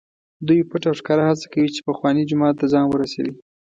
دوی پټ او ښکاره هڅه کوي چې پخواني جومات ته ځان ورسوي.